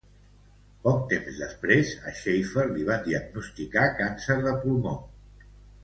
Poc temps després, a Shaffer li van diagnosticar càncer de pulmó.